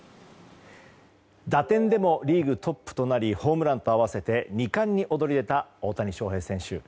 打点でもリーグトップとなりホームランと合わせて２冠に躍り出た大谷翔平選手。